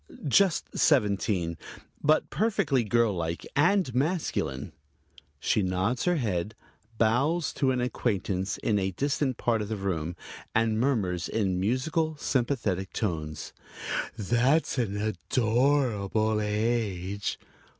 "Just seventeen, but perfectly girl like and masculine." She nods her head, bows to an acquaintance in a distant part of the room, and murmurs in musical, sympathetic tones: "That's an adorable age."